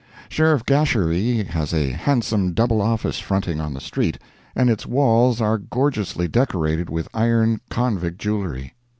Sheriff Gasherie has a handsome double office fronting on the street, and its walls are gorgeously decorated with iron convict jewelry.